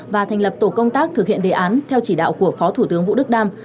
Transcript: và thành lập tổ công tác thực hiện đề án theo chỉ đạo của phó thủ tướng vũ đức đam